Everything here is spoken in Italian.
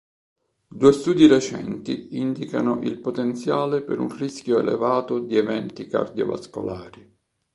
Due studi recenti indicano il potenziale per un rischio elevato di eventi cardiovascolari.